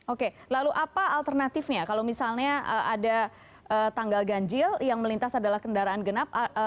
oke lalu apa alternatifnya kalau misalnya ada tanggal ganjil yang melintas adalah kendaraan genap